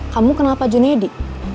kamu kenal pak juna ya di